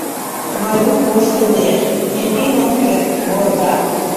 Майрук воштылеш, чытен ок керт, лорга.